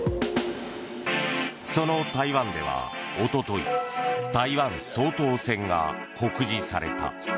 その台湾では一昨日台湾総統選が告示された。